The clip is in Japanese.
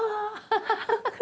ハハハハ！